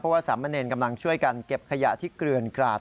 ว่าสามเณรกำลังช่วยกันเก็บขยะที่เกลือนกราด